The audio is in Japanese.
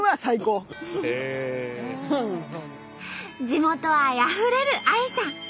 地元愛あふれるＡＩさん。